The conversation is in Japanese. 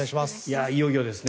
いよいよですね。